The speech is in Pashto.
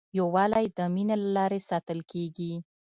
یووالی د مینې له لارې ساتل کېږي.